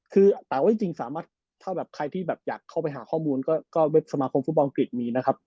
คือแต่ว่าจริงสามารถถ้าแบบใครที่แบบอยากเข้าไปหาข้อมูลก็เว็บสมาคมฟุตบอลอังกฤษมีนะครับ